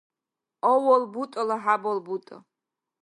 авал бутӀала хӀябал бутӀа